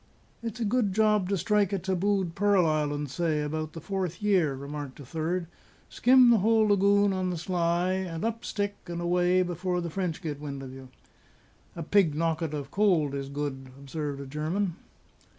"It's a good job to strike a tabooed pearl island, say, about the fourth year," remarked a third; "skim the whole lagoon on the sly, and up stick and away before the French get wind of you." "A pig nokket of cold is good," observed a German.